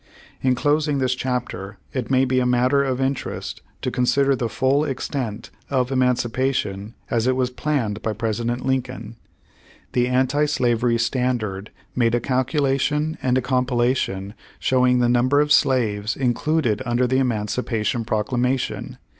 In closing this chapter it miay be a matter of interest to consider the full extent of Emancipa tion as it was planned by President Lincoln. The Page One Hundred twenty nine Anti Slavery Standard made a calculation and a compilation showing the number of slaves in cluded under the Emancipation Proclamation.